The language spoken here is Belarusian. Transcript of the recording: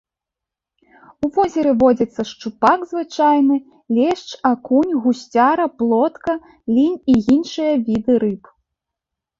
У возеры водзяцца шчупак звычайны, лешч, акунь, гусцяра, плотка, лінь і іншыя віды рыб.